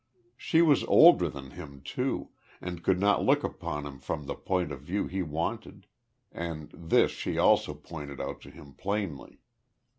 She was older than him too, and could not look upon him from the point of view he wanted and this she also pointed out to him plainly.